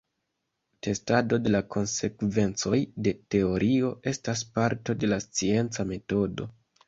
Testado de la konsekvencoj de teorio estas parto de la scienca metodo.